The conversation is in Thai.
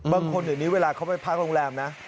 อย่างนี้เวลาเขาไปพักโรงแรมนะ